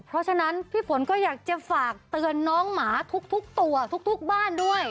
เพราะฉะนั้นพี่ฝนก็อยากจะฝากเตือนน้องหมาทุกตัวทุกบ้านด้วย